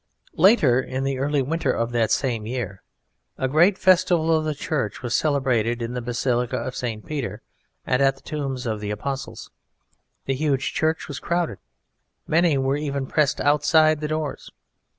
Later, in the early winter of that same year, a great festival of the Church was celebrated in the Basilica of St. Peter and at the tombs of the Apostles. The huge church was crowded, many were even pressed outside the doors.